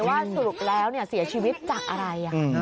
สรุปแล้วเสียชีวิตจากอะไร